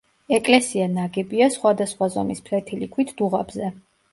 ეკლესია ნაგებია სხვადასხვა ზომის ფლეთილი ქვით დუღაბზე.